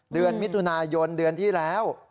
เดือนมิถุนายนเดือนที่แล้ว